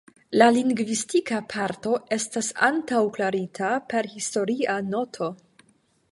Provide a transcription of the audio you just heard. La lingvistika parto estas antaŭklarigita per historia noto.